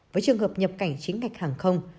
với trường hợp nhập cảnh chính ngạch hàng không